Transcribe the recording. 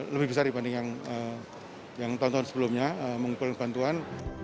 lebih besar dibanding yang tahun tahun sebelumnya mengumpulkan bantuan